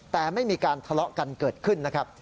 แต่ไม่มีการทะเลาะกันเกิดขึ้นนะครับ